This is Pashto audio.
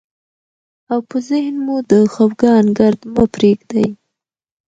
او په ذهن مو د خفګان ګرد مه پرېږدئ،